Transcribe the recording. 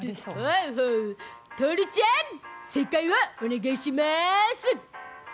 徹ちゃん正解をお願いします。